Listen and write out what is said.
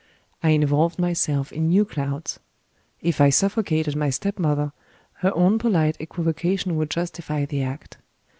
I involved myself in new clouds. If I suffocated my stepmother, her own polite equivocation would justify the act.